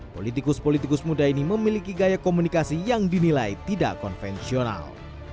politikus politikus muda ini memiliki gaya komunikasi yang dinilai tidak konvensional